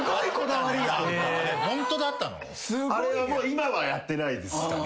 あれは今はやってないですかね。